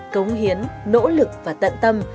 cống hiến nỗ lực và tận tâm